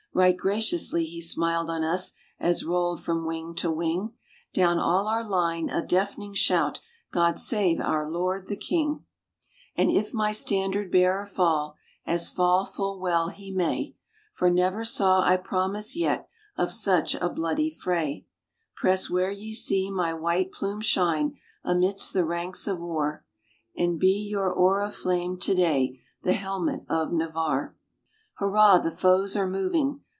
Right graciously he smiled on us, as rolled from wing to wing, Down all our line, a deafening shout: "God save our Lord the King!" "And if my standard bearer fall, as fall full well he may, For never saw I promise yet of such a bloody fray, Press where ye see my white plume shine, amidst the ranks of w r ar, And be your oriflamme today the helmet of Navarre." Hurrah! the foes are moving.